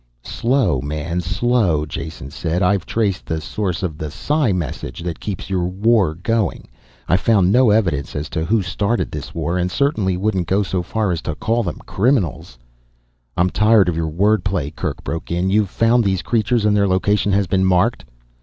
"Slow, man, slow," Jason said. "I've traced the source of the psi message that keeps your war going. I've found no evidence as to who started this war, and certainly wouldn't go so far as to call them criminals " "I'm tired of your word play," Kerk broke in. "You've found these creatures and their location has been marked."